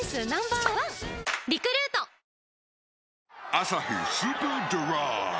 「アサヒスーパードライ」